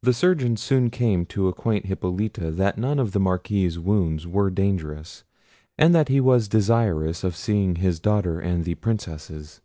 The surgeons soon came to acquaint Hippolita that none of the Marquis's wounds were dangerous; and that he was desirous of seeing his daughter and the Princesses.